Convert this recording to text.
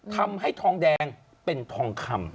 ทำให้ทองแดงเป็นทองคำ